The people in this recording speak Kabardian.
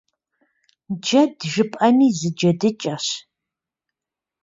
Джэд жыпӏэми зы джэдыкӏэщ.